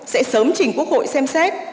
sẽ sớm trình quốc hội xem xét